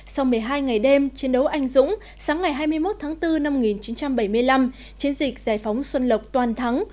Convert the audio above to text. sau một mươi hai ngày đêm chiến đấu anh dũng sáng ngày hai mươi một tháng bốn năm một nghìn chín trăm bảy mươi năm chiến dịch giải phóng xuân lộc toàn thắng